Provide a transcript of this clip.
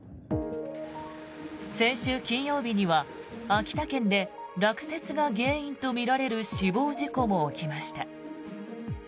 先週金曜日には秋田県で落雪が原因とみられる死亡事故も起きました。